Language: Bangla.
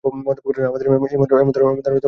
আমাদের এমন ধরণের প্রশ্ন করা উচিত নয়।